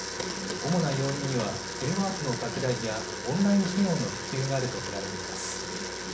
主な要因にはテレワークの拡大やオンライン授業の普及があると見られています。